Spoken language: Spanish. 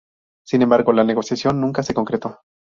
Sin embargo, la negociación nunca se concretó.